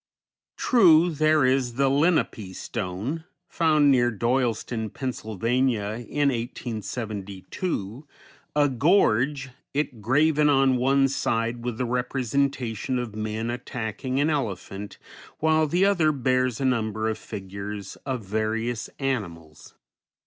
True, there is "The Lenape Stone," found near Doyleston, Pa., in 1872, a gorget graven on one side with the representation of men attacking an elephant, while the other bears a number of figures of various animals.